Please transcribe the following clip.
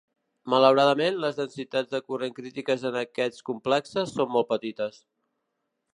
Malauradament, les densitats de corrent crítiques en aquests complexes són molt petites.